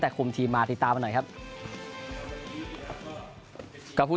แทบจะไม่เคยเห็นแล้ว